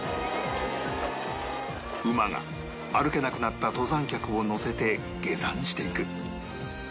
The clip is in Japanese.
馬が歩けなくなった登山客を乗せて下山していく